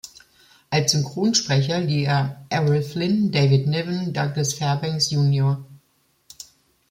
Als Synchronsprecher lieh er Errol Flynn, David Niven, Douglas Fairbanks jr.